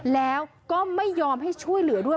แล้วก็ไม่ยอมให้ช่วยเหลือด้วย